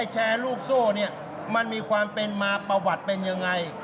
แชร์ลูกโซ่เนี่ยมันมีความเป็นมาประวัติเป็นยังไง